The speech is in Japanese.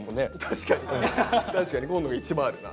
確かに確かに今野が一番あるな。